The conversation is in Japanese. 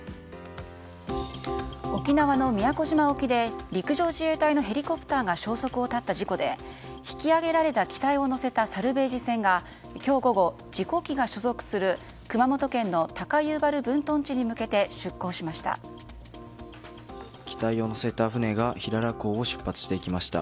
沖縄の宮古島沖で陸上自衛隊のヘリコプターが消息を絶った事故で引き揚げられた機体を乗せたサルベージ船が今日午後、事故機が所属する熊本県の基地へ機体を載せた船が平良港を出発していきました。